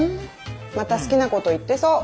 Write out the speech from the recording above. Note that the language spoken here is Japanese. また好きなこと言ってそう。